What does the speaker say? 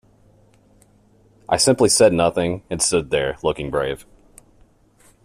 I simply said nothing, and stood there looking brave.